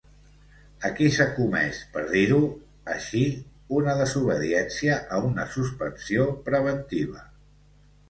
Aquí s’ha comès, per dir-ho així, una desobediència a una suspensió preventiva.